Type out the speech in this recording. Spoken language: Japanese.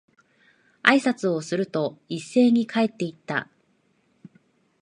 挨拶をすると、一斉に帰って行った。